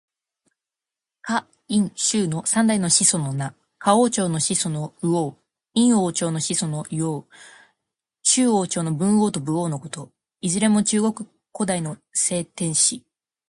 夏、殷、周の三代の始祖の名。夏王朝の始祖の禹王。殷王朝の始祖の湯王。周王朝の文王と武王のこと。いずれも中国古代の聖天子。